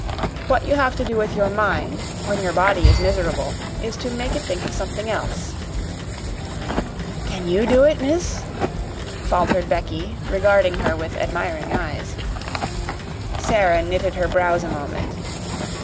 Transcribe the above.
What you have to do with your mind, when your body is miserable, is to make it think of something else." "Can you do it, miss?" faltered Becky, regarding her with admiring eyes. Sara knitted her brows a moment.